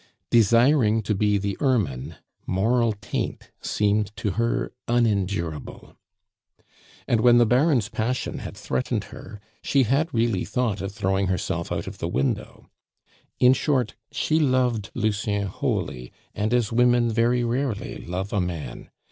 Desiring to be the ermine, moral taint seemed to her unendurable. And when the Baron's passion had threatened her, she had really thought of throwing herself out of the window. In short, she loved Lucien wholly, and as women very rarely love a man.